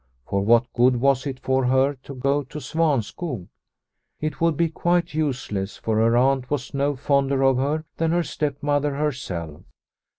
For what good was it for her to go to Svanskog ? It would be quite useless, for her aunt was no fonder of her than her stepmother herself.